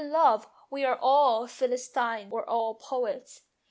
In love we are all philistines or all poets.